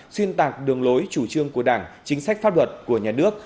xuyên tạc đường lối chủ trương của đảng chính sách pháp luật của nhà nước